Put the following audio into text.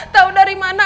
tahu dari mana